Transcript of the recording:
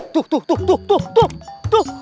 tuh tuh tuh tuh tuh tuh